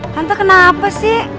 tante kenapa sih